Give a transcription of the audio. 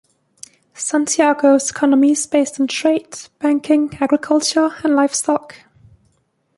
Santiago's economy is based on trade, banking, agriculture and livestock.